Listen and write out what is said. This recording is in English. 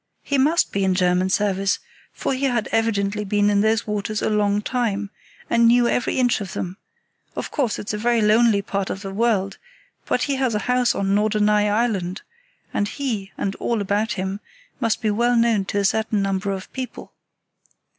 He must be in German service, for he had evidently been in those waters a long time, and knew every inch of them; of course, it's a very lonely part of the world, but he has a house on Norderney Island; and he, and all about him, must be well known to a certain number of people.